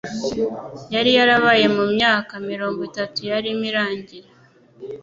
yari yarabaye mu mvaka mirongo itatu yarimo irangira.